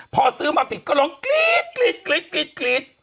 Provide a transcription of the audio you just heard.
พอซื้อมาผิดก็ร้องกรี๊ด